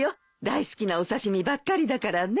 大好きなお刺し身ばっかりだからね。